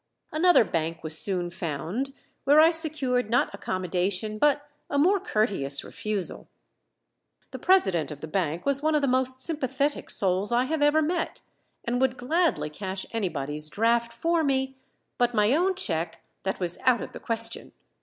Another bank was soon found, where I secured not accommodation but a more courteous refusal. The president of the bank was one of the most sympathetic souls I have ever met, and would gladly cash anybody's draft for me; but my own check, that was out of the question.